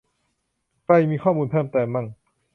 ใครมีข้อมูลเพิ่มเติมมั่ง